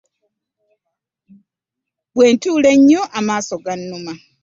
Bwe ntunula ennyo amaaso gannuma.